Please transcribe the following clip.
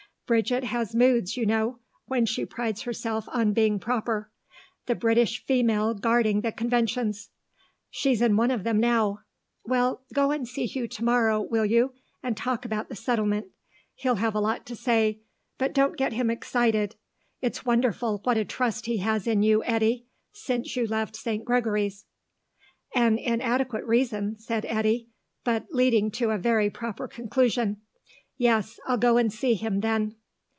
Bridget has moods, you know, when she prides herself on being proper the British female guarding the conventions. She's in one of them now.... Well, go and see Hugh to morrow, will you, and talk about the Settlement. He'll have a lot to say, but don't have him excited. It's wonderful what a trust he has in you, Eddy, since you left St. Gregory's." "An inadequate reason," said Eddy, "but leading to a very proper conclusion. Yes, I'll go and see him, then."